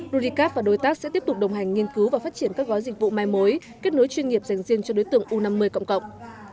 rurica và đối tác sẽ tiếp tục đồng hành nghiên cứu và phát triển các gói dịch vụ mai mối kết nối chuyên nghiệp dành riêng cho đối tượng u năm mươi cộng cộng